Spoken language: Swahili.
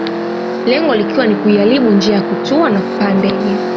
Lengo likiwa ni kuiharibu njia ya kutua na kupaa ndege